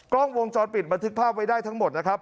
กล้องวงจรปิดบันทึกภาพไว้ได้ทั้งหมดนะครับ